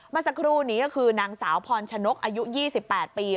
เมื่อสักครู่นี้ก็คือนางสาวพรชนกอายุ๒๘ปี